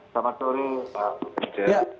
selamat sore pak